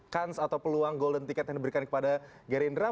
kans atau peluang golden ticket yang diberikan kepada gerindra